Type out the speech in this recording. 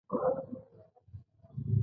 هو د بزګر لپاره ځمکه د کار موضوع ده.